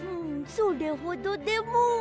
それほどでも。